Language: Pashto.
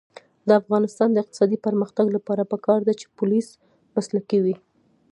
د افغانستان د اقتصادي پرمختګ لپاره پکار ده چې پولیس مسلکي وي.